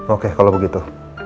oke kalau begitu